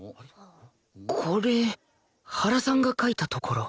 これ原さんが書いた所